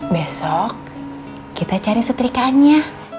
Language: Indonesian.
besok kita cari setrikanya